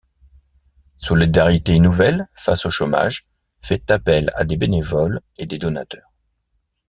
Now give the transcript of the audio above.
Solidarités nouvelles face au chômage fait appel à des bénévoles et des donateurs.